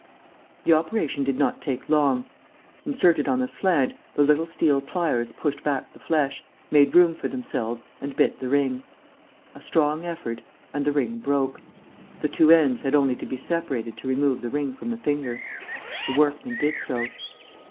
The operation did not take long. Inserted on the slant, the little steel pliers pushed back the flesh, made room for themselves and bit the ring. A strong effort ... and the ring broke. The two ends had only to be separated to remove the ring from the finger. The workman did so.